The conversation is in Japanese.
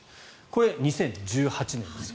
これ、２０１８年です。